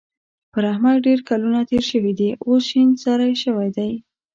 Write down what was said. پر احمد ډېر کلونه تېر شوي دي؛ اوس شين سری شوی دی.